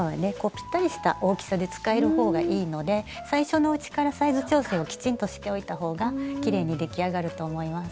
ぴったりした大きさで使える方がいいので最初のうちからサイズ調整をきちんとしておいた方がきれいに出来上がると思います。